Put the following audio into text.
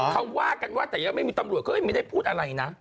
เขาว่ากันว่าแต่ยังไม่มีตำรวจไม่ได้พูดอะไรนะ